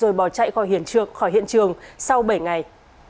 cháu chạy khỏi hiện trường sau bảy ngày